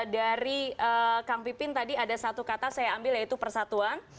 dari kang pipin tadi ada satu kata saya ambil yaitu persatuan